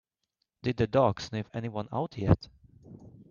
Did the dog sniff anyone out yet?